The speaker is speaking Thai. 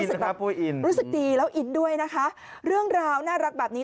ปุ้ยอินรู้สึกดีแล้วอินด้วยนะคะเรื่องราวน่ารักแบบนี้